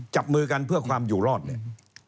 จับมือกันเพื่อความอยู่รอดเนี่ย